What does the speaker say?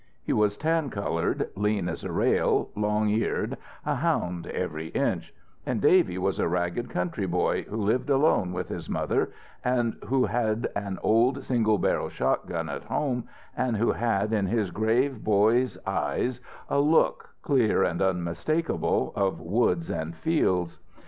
He was tan coloured, lean as a rail, long eared, a hound every inch; and Davy was a ragged country boy who lived alone with his mother, and who had an old single barrel shotgun at home, and who had in his grave boy's eyes a look, clear and unmistakable, of woods and fields.